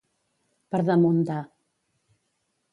Per damunt de.